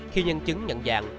khi nhân chứng nhận dạng